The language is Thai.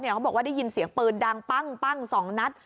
เขาบอกว่าได้ยินเสียงปืนดังปั้ง๒นัด